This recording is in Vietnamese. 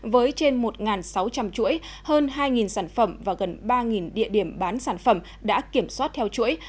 với trên một sáu trăm linh chuỗi hơn hai sản phẩm và gần ba địa điểm bán sản phẩm đã kiểm soát theo chuỗi